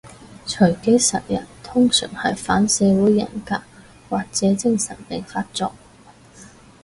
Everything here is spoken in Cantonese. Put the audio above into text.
隨機殺人通常係反社會人格或者精神病發作